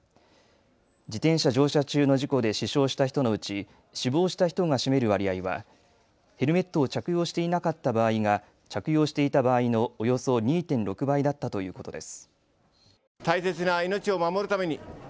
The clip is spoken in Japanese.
自転車乗車中の事故で死傷した人のうち死亡した人が占める割合はヘルメットを着用していなかった場合が着用していた場合のおよそ２．６倍だったということです。